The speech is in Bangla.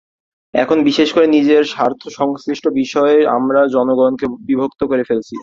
এখন, বিশেষ করে নিজের স্বার্থসংশ্লিষ্ট বিষয়ে আমরা জনগণকে বিভক্ত করে ফেলেছি।